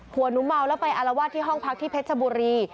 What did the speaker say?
หัวหนูเมาแล้วไปอารวาสที่ห้องพักที่เพชรบุรี